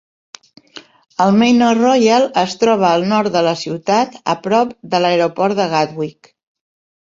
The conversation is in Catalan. El Manor Royal es troba al nord de la ciutat, a prop de l'aeroport de Gatwick.